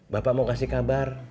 bapak mau kasih kabar